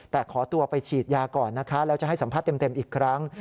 แต่ขอตัวไปฉีดยาก่อนนะคะแล้วจะให้สัมภาษณ์เต็มอีกครั้ง